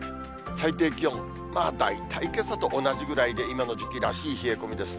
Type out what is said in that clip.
最低気温、大体けさと同じぐらいで、今の時期らしい冷え込みですね。